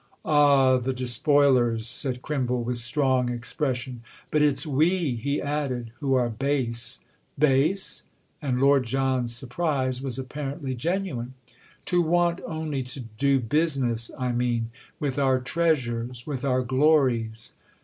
"Ah, the Despoilers!" said Crimble with strong expression. "But it's we," he added, "who are base." "'Base'?"—and Lord John's surprise was apparently genuine. "To want only to 'do business,' I mean, with our treasures, with our glories."